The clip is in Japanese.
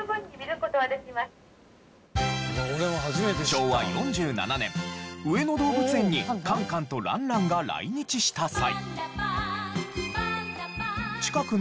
昭和４７年上野動物園にカンカンとランランが来日した際。